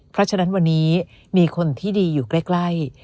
เพราะฉะนั้นวันนี้มีคนที่ดีอยู่ใกล้